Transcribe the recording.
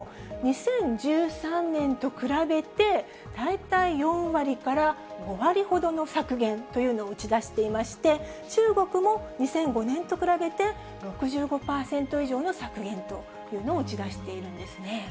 それによりますと、各国とも２０１３年と比べて、大体４割から５割ほどの削減というのを打ち出していまして、中国も２００５年と比べて６５％以上の削減というのを打ち出しているんですね。